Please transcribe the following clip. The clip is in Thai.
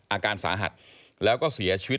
อาการสาหัสแล้วก็เสียชีวิต